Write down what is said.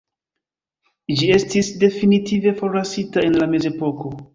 Ĝi estis definitive forlasita en la mezepoko.